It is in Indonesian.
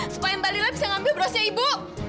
supaya mbak lila bisa ngambil brosnya ibu